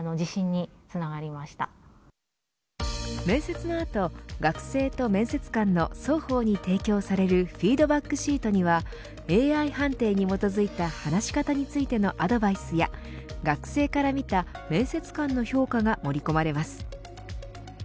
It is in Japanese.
面接の後、学生と面接官の双方に提供されるフィードバックシートにはＡＩ判定に基づいた話し方についてのアドバイスや、学生から見た面接官の評価が盛り込まれます。